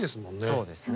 そうですね。